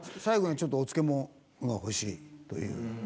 最後にちょっとお漬物が欲しいという。